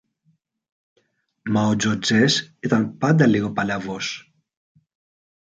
μα ο Τζοτζές ήταν πάντα λίγο παλαβός.